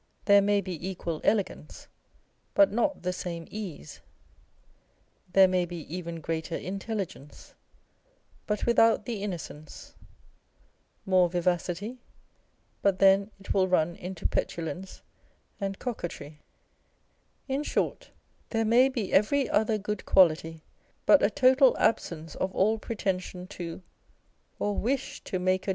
There may be equal elegance, but not the same ease ; there may be even greater intelligence, but without the innocence ; more vivacity, but then it will mn into petulance and coquetry ; in short, there may be every other good quality but a total absence of all pretension to or wish to make a On a Portrait by Vandyke.